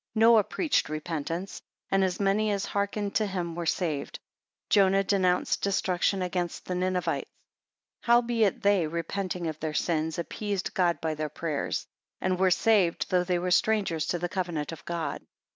7 Noah preached repentance; and as many as hearkened to him were saved. Jonah denounced destruction against the Ninevites. 8 Howbeit they repenting of their sins, appeased God by their prayers: and were saved, though they were strangers to the covenant of God.